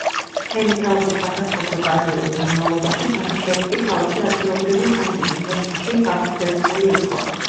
მთელი თავისი საფეხბურთო კარიერის განმავლობაში ბანიშევსკი თავისი ადგილობრივი გუნდის, ნეფთჩი ბაქოს ერთგული იყო.